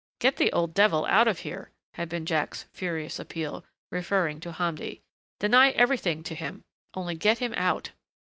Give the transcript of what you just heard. "Get the old devil out of here," had been Jack's furious appeal, referring to Hamdi. "Deny everything to him. Only get him out."